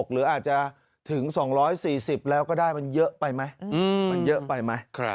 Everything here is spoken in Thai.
๒๓๕๒๓๖หรืออาจจะถึง๒๔๐แล้วก็ได้มันเยอะไปไหม